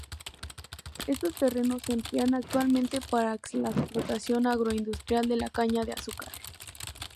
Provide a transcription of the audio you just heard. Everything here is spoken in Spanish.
Estos terrenos se emplean actualmente para la explotación agroindustrial de la caña de azúcar.